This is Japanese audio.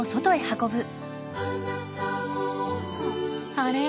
あれ？